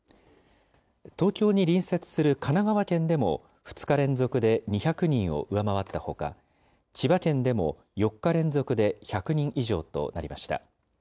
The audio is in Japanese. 東京に隣接する神奈川県でも、２日連続で２００人を上回ったほか、千葉県でも４日連続で１００人以上となりました。